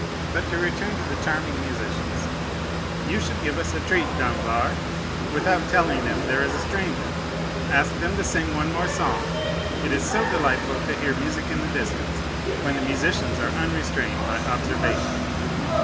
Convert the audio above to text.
But to return to the charming musicians—you should give us a treat, Danglars, without telling them there is a stranger. Ask them to sing one more song; it is so delightful to hear music in the distance, when the musicians are unrestrained by observation."